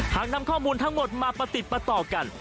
หากนำข้อมูลทั้งหมดมาประติดประต่อกัน